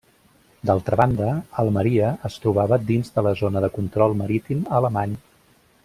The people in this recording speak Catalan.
D'altra banda, Almeria es trobava dins de la zona de control marítim alemany.